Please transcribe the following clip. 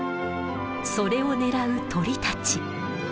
それを狙う鳥たち。